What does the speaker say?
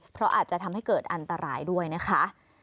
เพราะอาจจะทำให้เกิดอันตรายด้วยนะคะ